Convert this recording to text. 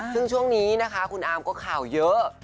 ซึ่งช่วงนี้นะคะคุณอาร์มก็ข่าวเยอะ